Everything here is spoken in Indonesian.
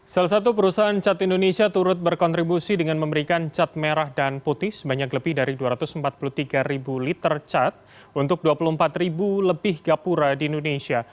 salah satu perusahaan cat indonesia turut berkontribusi dengan memberikan cat merah dan putih sebanyak lebih dari dua ratus empat puluh tiga ribu liter cat untuk dua puluh empat ribu lebih gapura di indonesia